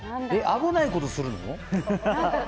危ないことするの？